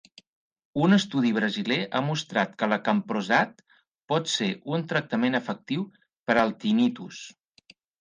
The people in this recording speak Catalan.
Un estudi brasiler ha mostrat que l'acamprosat pot ser un tractament efectiu per al tinnitus.